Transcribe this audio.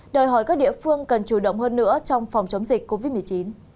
đòi hỏi các địa phương cần chủ động hơn nữa trong phòng chống dịch covid một mươi chín